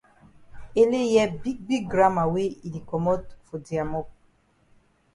Ele hear big big gramma wey e di komot for dia mop.